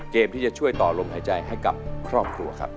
เกมที่จะช่วยต่อลมหายใจให้กับครอบครัวครับ